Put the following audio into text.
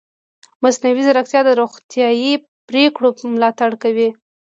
مصنوعي ځیرکتیا د روغتیايي پریکړو ملاتړ کوي.